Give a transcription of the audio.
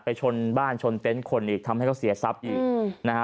ชนบ้านชนเต็นต์คนอีกทำให้เขาเสียทรัพย์อีกนะฮะ